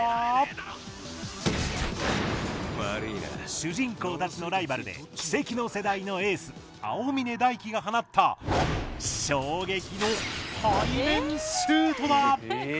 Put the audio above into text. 主人公たちのライバルでキセキの世代のエース青峰大輝が放った衝撃の背面シュートだ。